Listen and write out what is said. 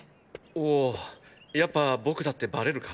おうやっぱ僕だってバレるか？